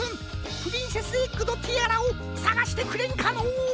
プリンセスエッグのティアラをさがしてくれんかのう。